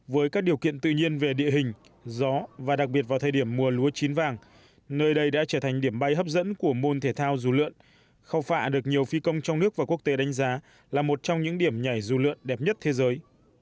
với các điều kiện tự nhiên về địa hình gió và đặc biệt vào thời điểm mùa lúa chín vàng nơi đây đã trở thành điểm bay hấp dẫn của môn thể thao dù lượn khao phạ được nhiều phi công trong nước và quốc tế đánh giá là một trong những điểm nhảy dù lượn đẹp nhất thế giới